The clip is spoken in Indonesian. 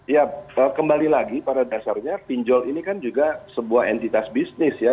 ya kembali lagi pada dasarnya pinjol ini kan juga sebuah entitas bisnis ya